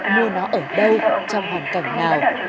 mua nó ở đây trong hoàn cảnh nào